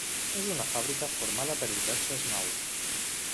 És una fàbrica formada per diverses naus.